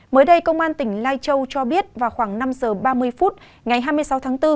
mới đây công an tỉnh lai châu cho biết vào khoảng năm giờ ba mươi phút ngày hai mươi sáu tháng bốn